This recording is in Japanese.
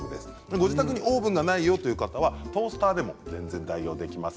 ご自宅にオーブンがないよという方はトースターでも代用できます。